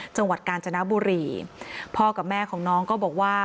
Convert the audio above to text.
จังหวัดกาญจนบุรีพ่อกับแม่ของน้องก็บอกว่า